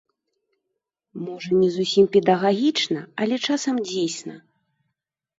Можа, не зусім педагагічна, але часам дзейсна.